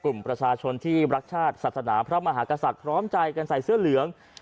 กลุ่มประชาชนที่รักชาติศาสนาพระมหากษัตริย์พร้อมใจกันใส่เสื้อเหลือง